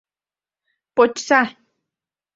— Почса!